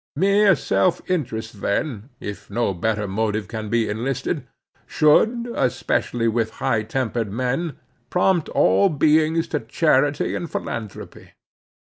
Mere self interest, then, if no better motive can be enlisted, should, especially with high tempered men, prompt all beings to charity and philanthropy.